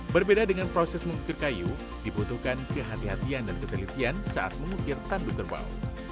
berbeda dengan proses mengukir kayu dibutuhkan kehatian dan ketelitian saat mengukir tanduk kerbau